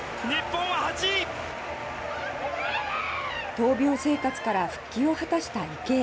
闘病生活から復帰を果たした池江。